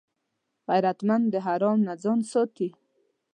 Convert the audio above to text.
غیرتمند د حرام نه ځان ساتي